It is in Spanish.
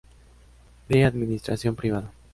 De administración privada.